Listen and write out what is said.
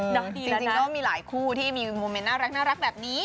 จริงก็มีหลายคู่ที่มีโมเมนต์น่ารักแบบนี้